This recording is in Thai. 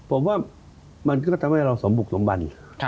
ผมว่ามันก็ทำให้เราสมบุกสมบัน